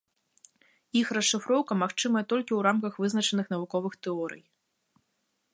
Іх расшыфроўка магчымая толькі ў рамках вызначаных навуковых тэорый.